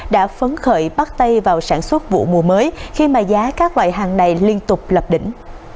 đã phấn khởi bắt tay vào sản xuất vụ mùa mới khi mà giá các loại hàng này liên tục lập đỉnh